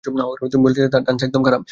তুমি বলেছিলে তার ডান্স একদম খারাপ!